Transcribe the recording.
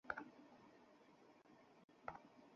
এখানে চলা মুশকিল হয়ে গেছে।